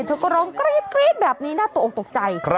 เธอก็ร้องกรี๊ดแบบนี้น่าตกออกตกใจ